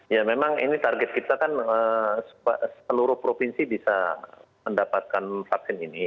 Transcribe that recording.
ya memang ini target kita kan seluruh provinsi bisa mendapatkan vaksin ini